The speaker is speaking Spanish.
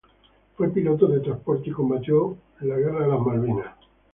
Fue piloto de transporte y combatió en la Guerra de Malvinas.